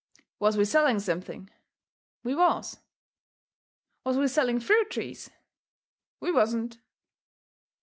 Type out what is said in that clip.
Was we selling something? We was. Was we selling fruit trees? We wasn't.